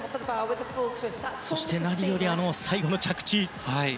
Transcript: そして何より最後の着地。